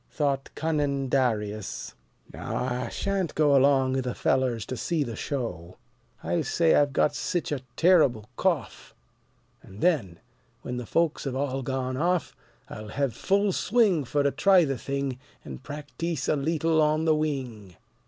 Thought cunning Darius: "Now I shan't go Along 'ith the fellers to see the show. I'll say I've got sich a terrible cough! An' then, when the folks 'ave all gone off, I'll hev full swing Fer to try the thing, An' practyse a leetle on the wing."